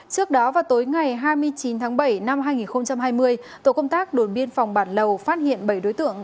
trước đó vào tối ngày hai mươi chín tháng bảy năm hai nghìn hai mươi tổ công tác đồn biên phòng bản lầu phát hiện bảy đối tượng